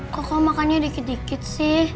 kok kamu makannya sedikit sedikit sih